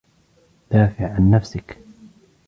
دافِع عن نَفسَك.